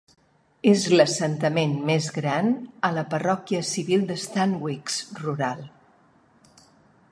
És l'assentament més gran a la parròquia civil de Stanwix Rural.